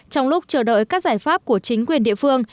trong lúc chờ đợi các giải pháp của chính quyền địa phương